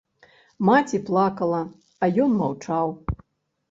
Маці плакала, а ён маўчаў.